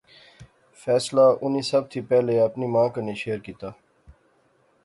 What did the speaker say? فیصلہ انی سب تھی پہلے اپنی ماں کنے شیئر کیتیا